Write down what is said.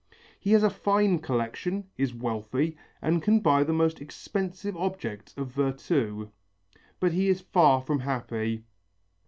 He has a fine collection, is wealthy and can buy the most expensive objects of virtu, but he is far from happy.